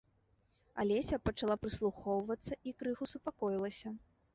Алеся пачала прыслухоўвацца і крыху супакоілася.